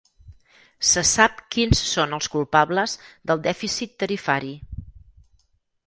Se sap quins són els culpables del dèficit tarifari.